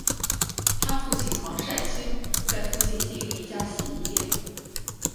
她父亲黄善兴在附近经营一家洗衣店。